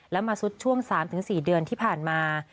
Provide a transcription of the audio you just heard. แล้วมาซุดช่วง๓๔เดือนที่ผ่านมา